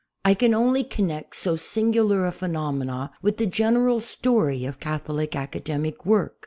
I can only connect so singular a phenomenon with the general story of Catholic academic work.